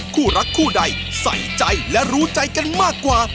คู่รักคู่ใดใส่ใจและรู้ใจกันมากกว่า